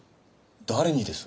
誰にです？